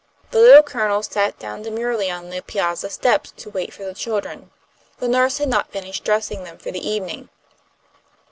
The Little Colonel sat down demurely on the piazza steps to wait for the children. The nurse had not finished dressing them for the evening.